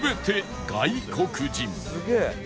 すげえ。